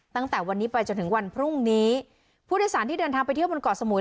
ตั้งแต่วันนี้ไปจนถึงวันพรุ่งนี้ผู้โดยสารที่เดินทางไปเที่ยวบนเกาะสมุย